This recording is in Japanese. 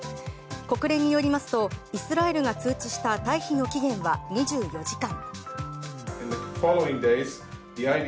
国連によりますと、イスラエルが通知した退避の期限は２４時間。